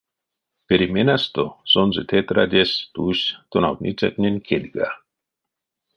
Переменасто сонзэ тетрадесь тусь тонавтницятнень кедьга.